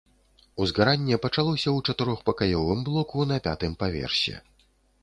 Узгаранне пачалося ў чатырохпакаёвым блоку на пятым паверсе.